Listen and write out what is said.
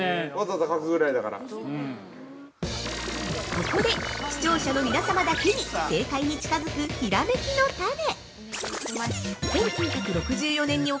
◆ここで、視聴者の皆様だけに正解に近づくひらめきのタネ。